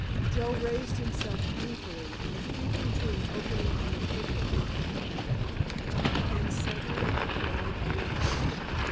Joe raised himself painfully, and creeping to an opening in the thicket looked out. Then suddenly he cried aloud.